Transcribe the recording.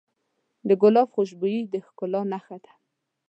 د ګلاب خوشبويي د ښکلا نښه ده.